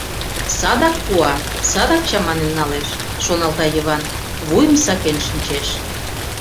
«Садак пуа, садак чаманен налеш, — шоналта Йыван, вуйым сакен шинчеш.